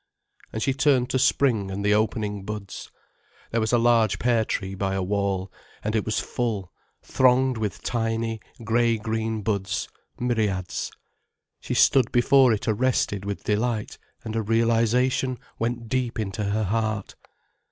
And she turned to spring and the opening buds. There was a large pear tree by a wall, and it was full, thronged with tiny, grey green buds, myriads. She stood before it arrested with delight, and a realization went deep into her heart.